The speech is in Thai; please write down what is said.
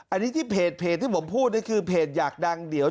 อันนี้ที่เพจที่ผมพูดนี่คือเพจอยากดังเดี๋ยว